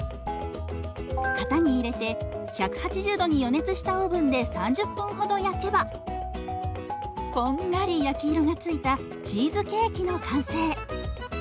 型に入れて１８０度に予熱したオーブンで３０分ほど焼けばこんがり焼き色がついたチーズケーキの完成。